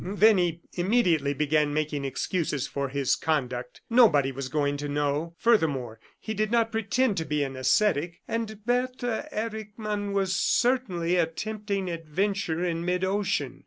Then he immediately began making excuses for his conduct. Nobody was going to know. Furthermore he did not pretend to be an ascetic, and Bertha Erckmann was certainly a tempting adventure in mid ocean.